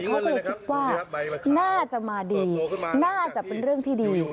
เขาก็เลยคิดว่าน่าจะมาดีน่าจะเป็นเรื่องที่ดี